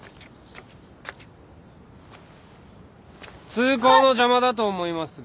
通行の邪魔だと思いますが。